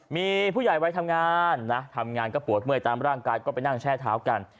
มีผู้ใหญ่วัยทำงานนะทำงานก็ปวดเมื่อยตามร่างกายก็ไปนั่งแช่เท้ากัน